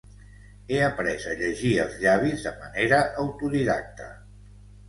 ha après a llegir els llavis de manera autodidacta